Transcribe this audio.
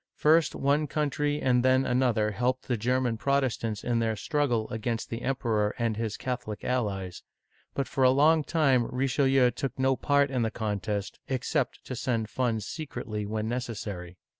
First one country and then another helped the German Protestants in their struggle against the Emperor and his Catholic allies ; but for a long time Richelieu took no part in the contest, except to send funds secretly when necessary.